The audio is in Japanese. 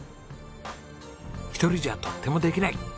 「一人じゃとってもできない」。